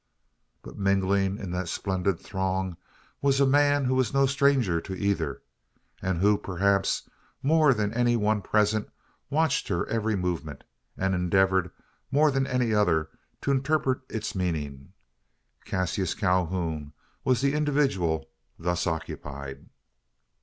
But mingling in that splendid throng was a man who was no stranger to either; and who, perhaps, more than any one present, watched her every movement; and endeavoured more than any other to interpret its meaning. Cassius Calhoun was the individual thus occupied.